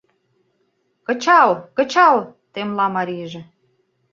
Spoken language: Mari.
— Кычал, кычал! — темла марийже.